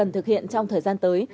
thực hiện trong thời gian tới